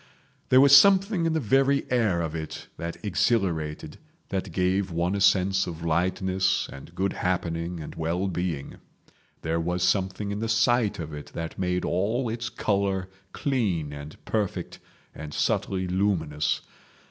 There was something in the very air of it that exhilarated, that gave one a sense of lightness and good happening and well being; there was something in the sight of it that made all its colour clean and perfect and subtly luminous.